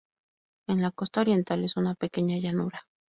En la costa oriental es una pequeña llanura.